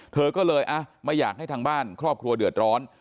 เธอก็เลยไม่อยากให้ทางบ้านครอบครัวเดือดร้อน